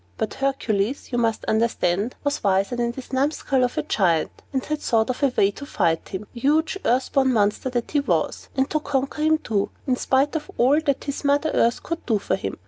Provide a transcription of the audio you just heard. But Hercules, you must understand, was wiser than this numskull of a Giant, and had thought of a way to fight him huge, earth born monster that he was and to conquer him too, in spite of all that his Mother Earth could do for him.